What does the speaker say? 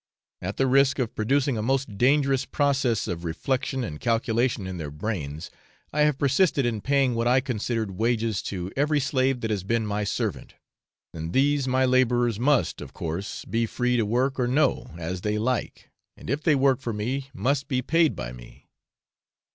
At the risk of producing a most dangerous process of reflection and calculation in their brains, I have persisted in paying what I considered wages to every slave that has been my servant; and these my labourers must, of course, be free to work or no, as they like, and if they work for me must be paid by me.